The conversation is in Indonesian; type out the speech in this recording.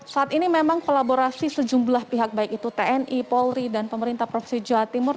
saat ini memang kolaborasi sejumlah pihak baik itu tni polri dan pemerintah provinsi jawa timur